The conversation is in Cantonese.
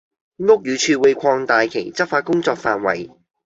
屋宇署會擴大其執法工作範圍